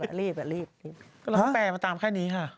ก็ลับแต่มาตามแค่นี้ค่ะ